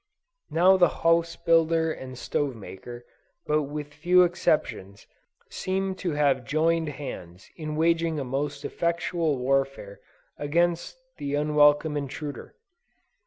Now the house builder and stove maker with but few exceptions seem to have joined hands in waging a most effectual warfare against the unwelcome intruder.